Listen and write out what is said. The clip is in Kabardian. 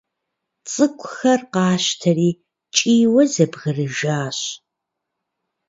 ЦӀыкӀухэр къащтэри кӀийуэ зэбгрыжащ.